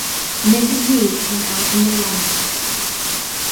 Mrs. U. came out on the landing.